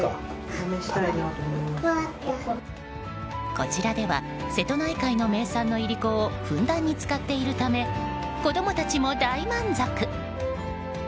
こちらでは、瀬戸内海の名産のいりこをふんだんに使っているため子供たちも大満足。